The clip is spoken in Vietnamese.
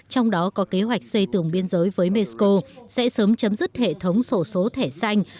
trong đó có kế hoạch xây tường biên giới với mexico sẽ sớm chấm dứt hệ thống sổ số thẻ xanh